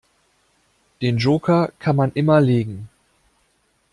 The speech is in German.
Den Joker kann man immer legen.